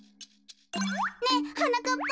ねえはなかっぱ！